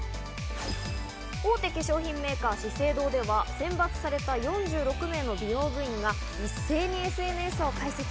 大手化粧品メーカー、資生堂では選抜された４６名の美容部員が一斉にＳＮＳを開設。